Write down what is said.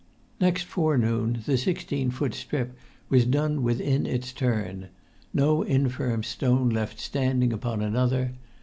Next forenoon the sixteen foot strip was done with in its turn; no infirm stone left standing upon another.